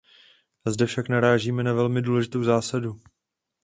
Zde však narážíme na velmi důležitou zásadu.